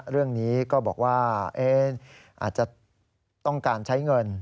เรื่องนี้ก็บอกว่าอาจจะต้องการใช้เงิน